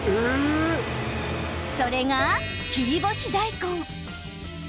それが切り干し大根。